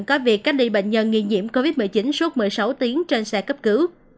có việc cách ly bệnh nhân nghi nhiễm covid một mươi chín suốt một mươi sáu tiếng trên xe cấp cứu